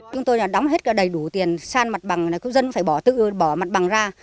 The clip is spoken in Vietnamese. chúng tôi đã đóng hết đầy đủ tiền xan mặt bằng dân phải bỏ tự bỏ mặt bằng ra